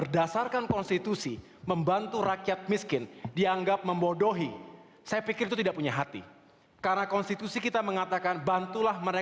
dan terakhir kita akan bahas mengenai bagaimana